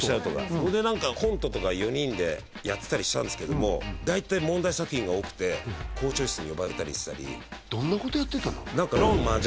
そこでコントとか４人でやってたりしたんですけども大体問題作品が多くてどんなことやってたの？